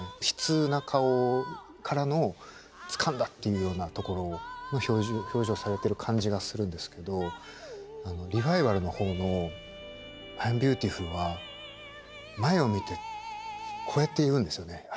悲痛な顔からのつかんだ！っていうようなところの表情をされてる感じがするんですけどリバイバルの方の「アイムビューティフル」は前を見てこうやって言うんですよね。